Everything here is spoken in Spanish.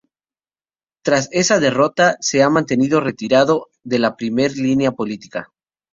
Tras esa derrota, se ha mantenido retirado de la primera línea política.